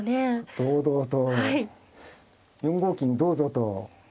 堂々と４五金どうぞと。